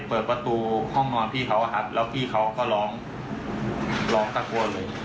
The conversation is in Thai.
เปิดประตูห้องนอนพี่เขาอะครับแล้วพี่เขาก็ร้องร้องตะโกนเลย